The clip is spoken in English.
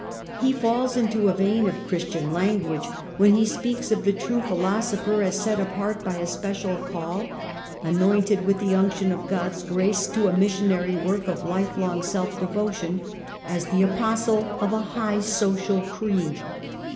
He falls into a vein of Christian language when he speaks of the true philosopher as set apart by a special call, anointed with the unction of God's grace to a missionary work of lifelong self devotion, as the apostle of a high social creed.